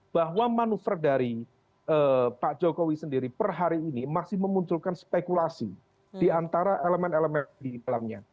bahwa manuver dari pak jokowi sendiri per hari ini masih memunculkan spekulasi di antara elemen elemen di dalamnya